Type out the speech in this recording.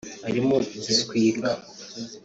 harimo igiswika